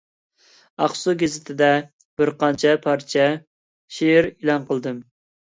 «ئاقسۇ گېزىتى»دە بىرقانچە پارچە شېئىر ئېلان قىلدىم.